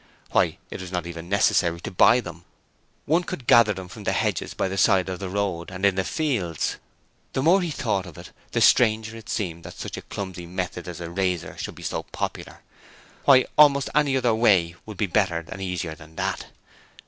Why, it was not even necessary to buy them: one could gather them from the hedges by the road side and in the fields. The more he thought of it the stranger it seemed that such a clumsy method as a razor should be so popular. Why almost any other way would be better and easier than that.